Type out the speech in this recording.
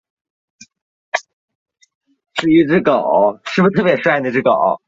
成功守住大门